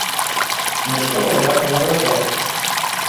Нішто пагляд не абражала.